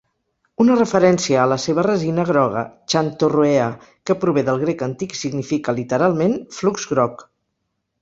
Una referència a la seva resina groga, "Xanthorrhoea", que prové del grec antic i significa literalment "flux groc".